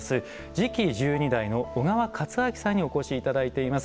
次期１２代の小川勝章さんにお越しいただいています。